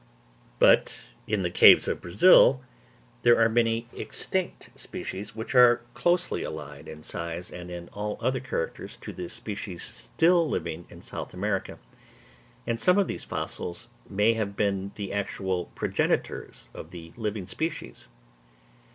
But in the caves of Brazil there are many extinct species which are closely allied in size and in all other characters to the species still living in South America; and some of these fossils may have been the actual progenitors of the living species.